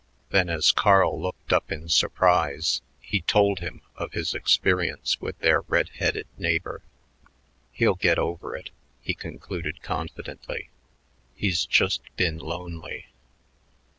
Then as Carl looked up in surprise, he told him of his experience with their red headed neighbor. "He'll get over it," he concluded confidently. "He's just been lonely."